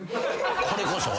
これこそ？